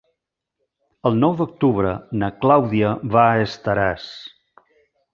El nou d'octubre na Clàudia va a Estaràs.